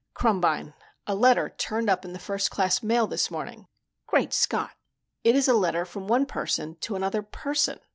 "Krumbine, a letter turned up in the first class mail this morning." "Great Scott!" "It is a letter from one person to another person."